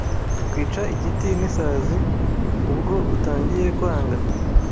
Ukica igiti n’isazi Ubwo utangiye kwanga